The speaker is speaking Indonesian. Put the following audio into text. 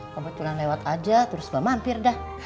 kebetulan lewat aja terus mama hampir dah